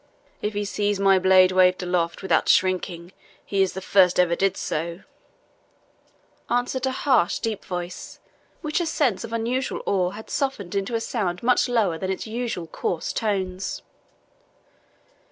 "If he sees my blade waved aloft without shrinking, he is the first ever did so," answered a harsh, deep voice, which a sense of unusual awe had softened into a sound much lower than its usual coarse tones.